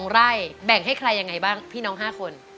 ๒ไร่แบ่งให้ใครยังไงบ้างพี่น้อง๕คน